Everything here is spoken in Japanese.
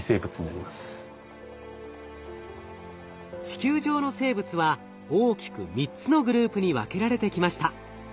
地球上の生物は大きく３つのグループに分けられてきました。